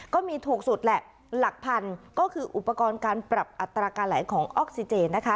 ก็มีถูกสุดแหละหลักพันก็คืออุปกรณ์การปรับอัตราการไหลของออกซิเจนนะคะ